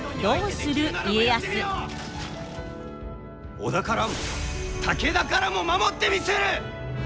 織田からも武田からも守ってみせる！